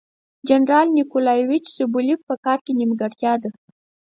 د جنرال نیکولایویچ سوبولیف په کار کې نیمګړتیا ده.